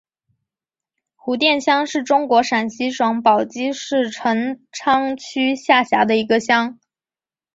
胡店乡是中国陕西省宝鸡市陈仓区下辖的一个乡。